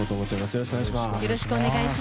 よろしくお願いします。